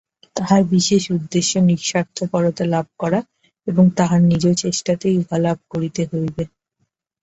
তাঁহার বিশেষ উদ্দেশ্য নিঃস্বার্থপরতা লাভ করা এবং তাঁহাকে নিজ চেষ্টাতেই উহা লাভ করিতে হইবে।